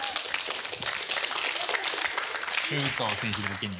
周東選手だけに。